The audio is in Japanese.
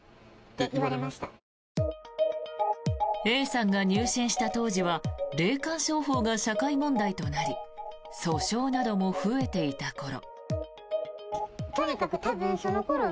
Ａさんが入信した当時は霊感商法が社会問題となり訴訟なども増えていた頃。